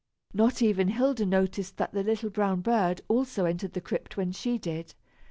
Not even Hilda noticed that the little brown bird also entered the crypt when she did.